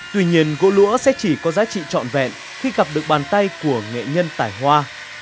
tuy nhiên gỗ lũa sẽ chỉ có giá trị trọn vẹn khi gặp được bàn tay của nghệ nhân tải hoa